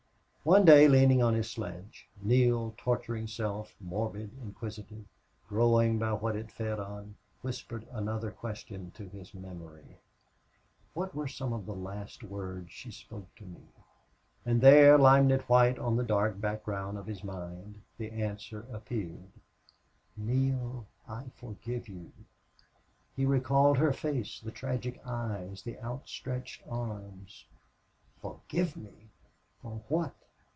One day, leaning on his sledge, Neale's torturing self, morbid, inquisitive, growing by what it fed on, whispered another question to his memory. "What were some of the last words she spoke to me?" And there, limned white on the dark background of his mind, the answer appeared, "NEALE, I FORGIVE YOU!" He recalled her face, the tragic eyes, the outstretched arms. "Forgive me! For what?"